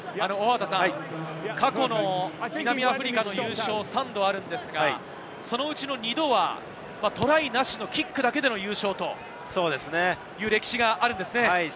過去、南アフリカの優勝は３度あるのですが、そのうちの２度はトライなしのキックだけでの優勝という歴史があるんですね。